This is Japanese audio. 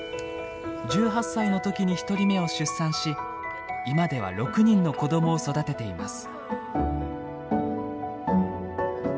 １８歳の時に１人目を出産し今では６人の子どもを育てています。